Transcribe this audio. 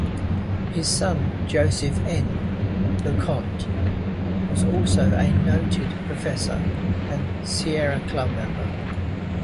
His son, Joseph N. LeConte, was also a noted professor and Sierra Club member.